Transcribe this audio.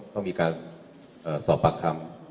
ก็มีการสอบปากคำ